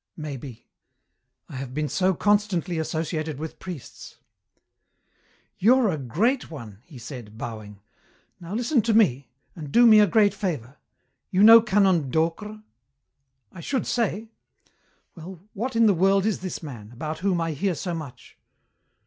"Maybe. I have been so constantly associated with priests." "You're a great one," he said, bowing. "Now listen to me, and do me a great favour. You know Canon Docre?" "I should say!" "Well, what in the world is this man, about whom I hear so much?"